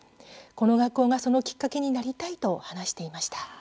この学校が、そのきっかけになりたいと話していました。